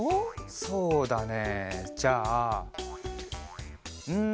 そうだねじゃあん。